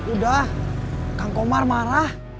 udah kang komar marah